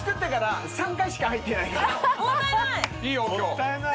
もったいない。